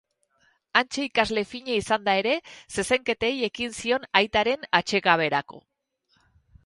Hantxe ikasle fina izanda ere, zezenketei ekin zion aitaren atsekaberako.